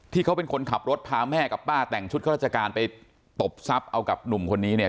ที่เขาเป็นคนขับรถพาแม่กับป้าแต่งชุดข้าราชการไปตบทรัพย์เอากับหนุ่มคนนี้เนี่ย